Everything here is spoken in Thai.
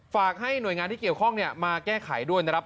ฝากให้หน่วยงานที่เกี่ยวข้องมาแก้ไขด้วยนะครับ